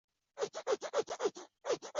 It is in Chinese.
也有空袭以及战乱